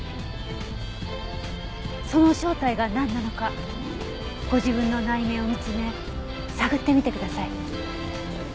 その正体がなんなのかご自分の内面を見つめ探ってみてください。